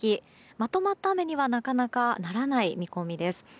まとまった雨にはなかなかならない見込みです。